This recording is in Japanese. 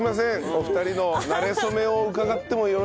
お二人のなれ初めを伺ってもよろしいですか？